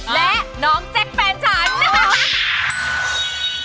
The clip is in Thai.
และน้องแจ๊คแฟนฉัน